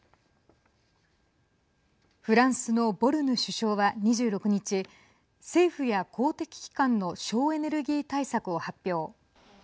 フランスのボルヌ首相は２６日政府や公的機関の省エネルギー対策を発表。